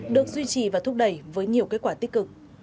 được duy trì và thúc đẩy với nhiều kết quả tích cực